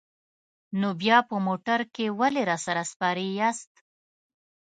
نو بیا په موټر کې ولې راسره سپرې یاست؟